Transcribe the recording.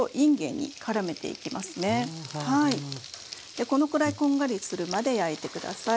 でこのくらいこんがりするまで焼いて下さい。